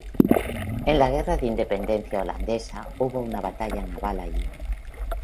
En la Guerra de independencia holandesa hubo una batalla naval allí.